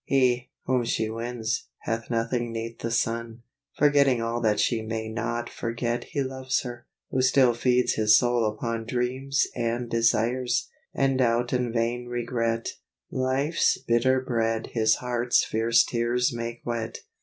He, whom she wins, hath nothing 'neath the sun; Forgetting all that she may not forget He loves her, who still feeds his soul upon Dreams and desires, and doubt and vain regret, Life's bitter bread his heart's fierce tears make wet.